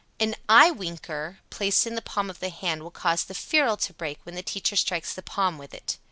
89. An "eyewinker" placed in the palm of the hand will cause the ferule to break when the teacher strikes the palm with it.